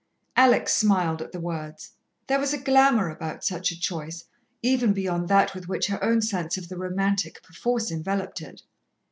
Alex smiled at the words. There was a glamour about such a choice, even beyond that with which her own sense of the romantic perforce enveloped it.